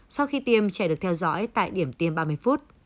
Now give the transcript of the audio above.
sau khi tiêm trẻ được theo dõi tại điểm tiêm ba mươi phút